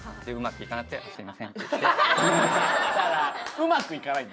うまくいかないんだ？